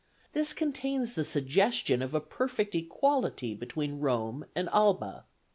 This contains the suggestion of a perfect equality between Rome and Alba.